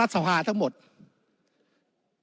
วุฒิสภาจะเขียนไว้ในข้อที่๓๐